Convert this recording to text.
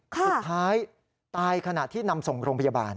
สุดท้ายตายขณะที่นำส่งโรงพยาบาล